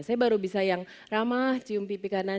saya baru bisa yang ramah cium pipi kanan